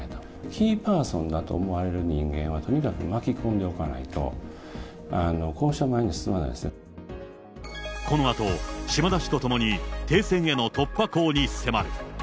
キーパーソンだと思われる人間は、とにかく巻き込んでおかないと、このあと、島田氏と共に、停戦への突破口に迫る。